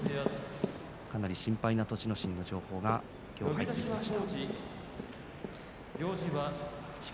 かなり心配な栃ノ心の情報が入ってきました。